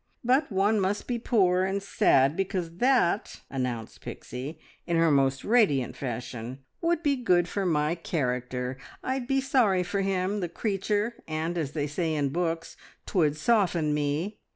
But one must be poor and sad, because that," announced Pixie, in her most radiant fashion, "would be good for my character. I'd be sorry for him, the creature! And, as they say in books, 'twould soften me.